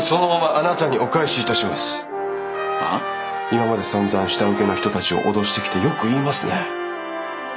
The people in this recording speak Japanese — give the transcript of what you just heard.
今までさんざん下請けの人たちを脅してきてよく言いますね。